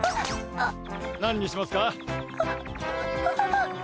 何にしますか？